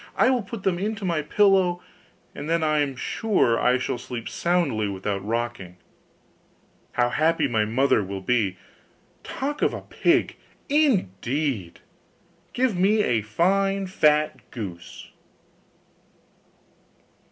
I will put them into my pillow, and then I am sure I shall sleep soundly without rocking. How happy my mother will be! Talk of a pig, indeed! Give me a fine fat goose.